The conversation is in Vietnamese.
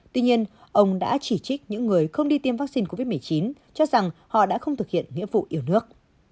tuy nhiên ông đã chỉ trích những người không đi tiêm vaccine covid một mươi chín cho rằng họ đã không thực hiện nghĩa vụ yêu nước